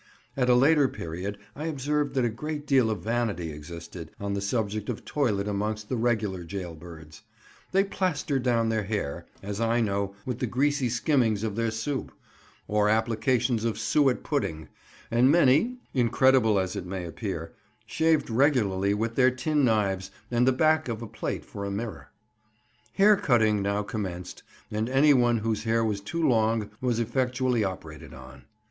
At a later period I observed that a great deal of vanity existed on the subject of toilet amongst the regular jail birds: they plastered down their hair—as I know—with the greasy skimmings of their soup, or applications of suet pudding; and many—incredible as it may appear—shaved regularly with their tin knives and the back of a plate for a mirror. Hair cutting now commenced, and anyone whose hair was too long was effectually operated on.